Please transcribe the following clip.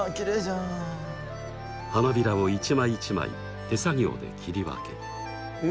花びらを一枚一枚手作業で切り分け